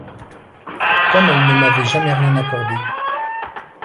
Comme elle ne m'avait jamais rien accordé